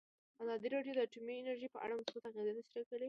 ازادي راډیو د اټومي انرژي په اړه مثبت اغېزې تشریح کړي.